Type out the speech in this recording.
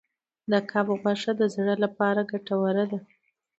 د کب غوښه د زړه لپاره ګټوره ده.